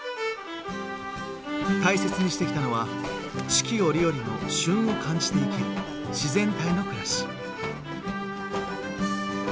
大切にしてきたのは四季折々の旬を感じて生きる自然体の暮らし。